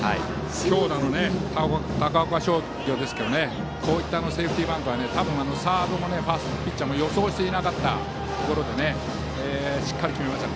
強打の高岡商業ですけどこういったセーフティーバントは多分、サードもファーストもピッチャーも予想していなかった中でしっかり決めました。